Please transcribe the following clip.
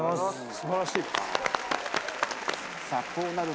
素晴らしいです。